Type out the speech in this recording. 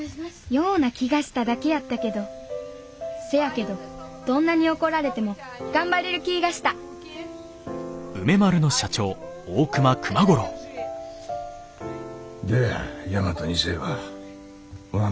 ような気がしただけやったけどせやけどどんなに怒られても頑張れる気ぃがしたどや大和２世はおらんのかいな。